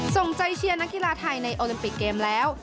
ส่งใจเชียร์นักกีฬาไทยในโอลิมปิกเกมแล้ว